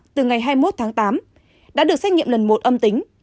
từ ngày hai mươi một tháng tám đã được xét nghiệm lần một âm tính